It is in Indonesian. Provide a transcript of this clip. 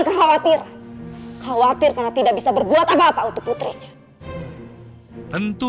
kekhawatiran khawatir karena tidak bisa berbuat apa apa untuk putrinya tentu